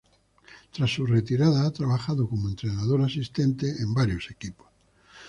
Tras su retirada ha trabajado como entrenador asistente en varios equipos.